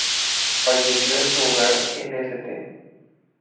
Falleció en su hogar en St.